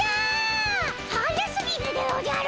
速すぎるでおじゃる！